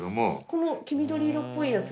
この黄緑色っぽいやつ。